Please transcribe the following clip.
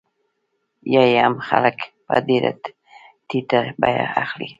یا یې هم خلک په ډېره ټیټه بیه اخلي